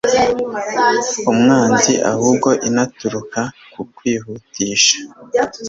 umwanzi ahubwo inaturuka ku kwihutisha